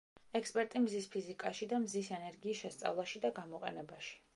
ექსპერტი მზის ფიზიკაში და მზის ენერგიის შესწავლაში და გამოყენებაში.